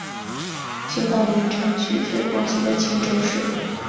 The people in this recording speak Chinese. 街道名称取自广西的钦州市。